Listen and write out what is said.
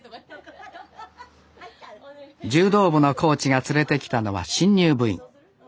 柔道部のコーチが連れてきたのは新入部員。